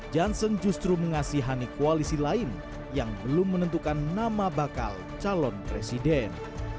johnson justru mengasihani koalisi lain yang belum menentukan nama bakal calon presiden